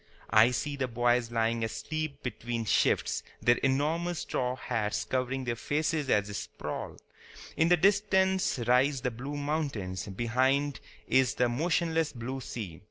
I see the boys lying asleep between shifts, their enormous straw hats covering their faces as they sprawl. In the distance rise the blue mountains; behind is the motionless blue sea.